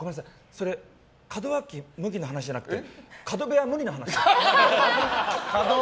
それ、門脇麦の話じゃなくて角部屋無理の話でした。